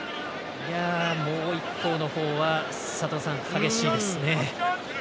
もう一方のほうは、佐藤さん激しいですね。